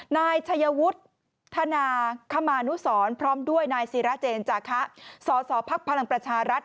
นายชัยวุฒิธนาคมานุสรพร้อมด้วยนายศิราเจนจาคะสสพลังประชารัฐ